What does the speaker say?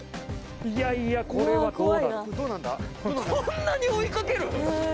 いやいやこれはこんなに追いかける？